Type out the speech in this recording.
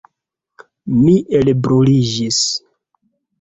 Mi elbruliĝis.